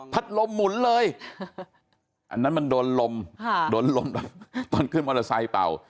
ลมหมุนเลยอันนั้นมันโดนลมโดนลมตอนขึ้นมอเตอร์ไซค์เป่า